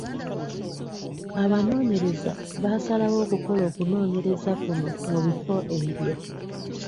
Abanoonyereza baasalawo okukola okunoonyereza kuno mu bifo ebyo.